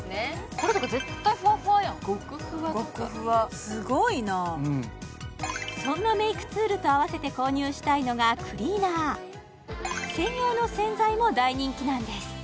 これとか絶対ふわふわやんごくふわっすごいなそんなメイクツールと合わせて購入したいのがクリーナー専用の洗剤も大人気なんです